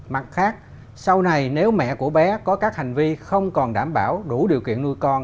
mặt khác sau này nếu mẹ của bé có các hành vi không còn đảm bảo đủ điều kiện nuôi con